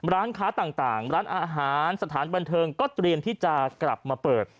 ร้านค้าต่างร้านอาหารสถานบันเทิงก็เตรียมที่จะกลับมาเปิด